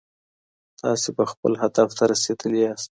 تاسي به خپل هدف ته رسېدلي ياست.